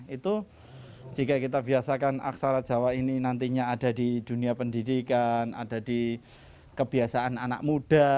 itu jika kita biasakan aksara jawa ini nantinya ada di dunia pendidikan ada di kebiasaan anak muda